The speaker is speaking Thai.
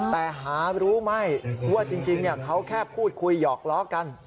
แต่หารู้ไหมว่าจริงเขาแค่พูดคุยหยอกล้อกัน